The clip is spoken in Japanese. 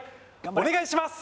お願いします